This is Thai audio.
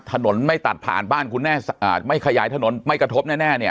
ถนนไม่ตัดผ่านบ้านคุณแน่อ่าไม่ขยายถนนไม่กระทบแน่เนี่ย